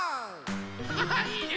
ハハハいいね！